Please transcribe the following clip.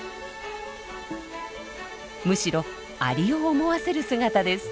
むしろアリを思わせる姿です。